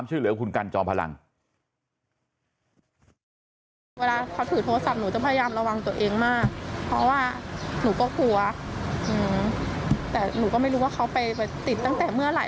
แต่หนูก็ไม่รู้ว่าเขาไปติดตั้งแต่เมื่อไหร่